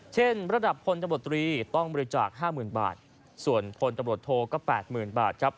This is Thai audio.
เช่นระดับพลตำรวจตรีต้องบริจาค๕๐๐๐บาทส่วนพลตำรวจโทก็๘๐๐๐บาทครับ